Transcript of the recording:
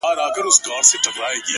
د نيمي شپې د خاموشۍ د فضا واړه ستوري.!